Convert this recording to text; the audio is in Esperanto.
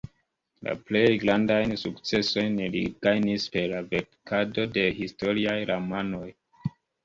La plej grandajn sukcesojn li gajnis per la verkado de historiaj romanoj.